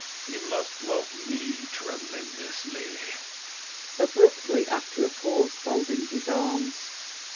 He must love me tremendously! [Abruptly, after a pause, folding his arms.